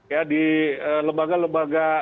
ya di lembaga lembaga